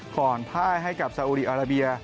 ผ่อนท่ายให้กับเซาอุรีอราเบีย